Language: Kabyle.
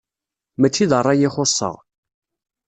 Mačči d ṛṛay i xuṣṣeɣ.